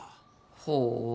ほう。